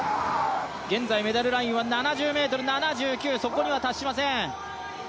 現在メダルラインは７０ｍ７９、そこには達しません。